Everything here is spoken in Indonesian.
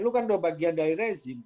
lu kan sudah bagian dari rezim